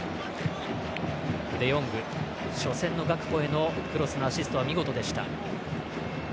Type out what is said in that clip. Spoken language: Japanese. デヨング初戦のガクポへのクロスのアシストは見事でした。